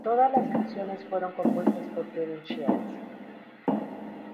Todas las canciones fueron compuestas por Kevin Shields.